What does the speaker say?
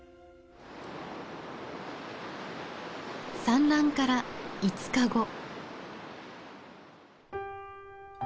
産卵から５日後。